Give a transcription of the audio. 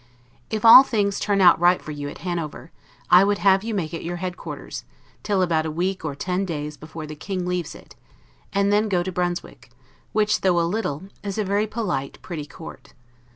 If all things turn out right for you at Hanover, I would have you make it your head quarters, till about a week or ten days before the King leaves it; and then go to Brunswick, which, though a little, is a very polite, pretty court.